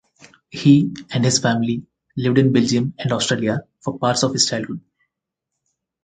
He and his family lived in Belgium and Australia for parts of his childhood.